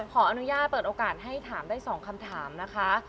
ขออนุญาตเปิดโอกาสให้ถามได้๒คำถามนะคะ